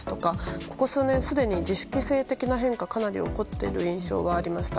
ここ数年すでに自粛性的な変化がかなり起こっている印象はありました。